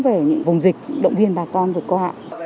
về những vùng dịch động viên bà con vượt qua ạ